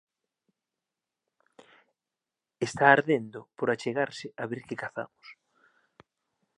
Está ardendo por achegarse a ver que cazamos.